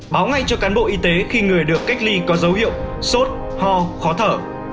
báo ngay cho cán bộ y tế khi người được cách ly có dấu hiệu sốt ho khó thở